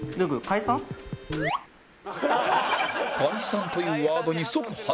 「解散」というワードに即反応